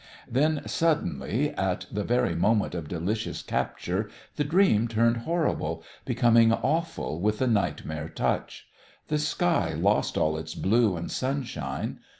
Then suddenly, at the very moment of delicious capture, the dream turned horrible, becoming awful with the nightmare touch. The sky lost all its blue and sunshine.